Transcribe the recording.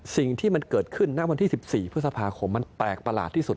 สิ่งที่มันเกิดขึ้นณวันที่๑๔พฤษภาคมมันแปลกประหลาดที่สุด